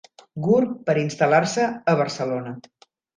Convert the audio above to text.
Gurb per instal.lar-se a Barcelona.